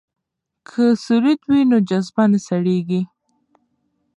که سرود وي نو جذبه نه سړیږي.